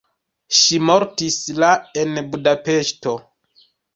Ŝi mortis la en Budapeŝto.